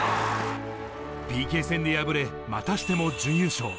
ＰＫ戦で敗れ、またしても準優勝。